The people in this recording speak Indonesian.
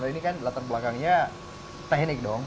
ini kan latar belakangnya teknik dong